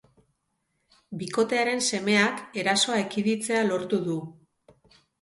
Bikotearen semeak erasoa ekiditzea lortu du.